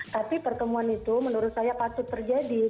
tapi pertemuan itu menurut saya patut terjadi